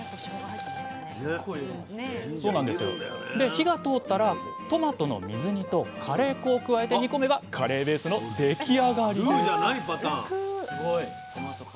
火が通ったらトマトの水煮とカレー粉を加えて煮込めばカレーベースの出来上がりです